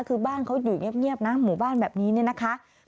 คือบ้านเขาอยู่เงียบนะหมู่บ้านแบบนี้เนี่ยนะคะ